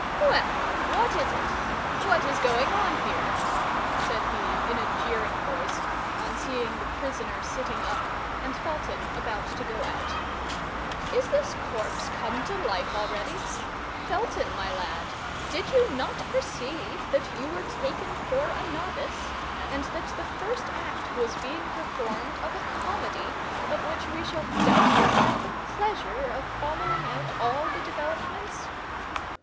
"Well, what is it—what is going on here?" said he, in a jeering voice, on seeing the prisoner sitting up and Felton about to go out. "Is this corpse come to life already? Felton, my lad, did you not perceive that you were taken for a novice, and that the first act was being performed of a comedy of which we shall doubtless have the pleasure of following out all the developments?"